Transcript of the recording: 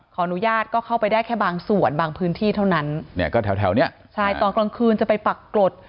ขออนุญาตก็เข้าไปได้แค่บางส่วนบางพื้นที่เท่านั้นเนี่ยก็แถวแถวเนี้ยใช่ตอนกลางคืนจะไปปักกรด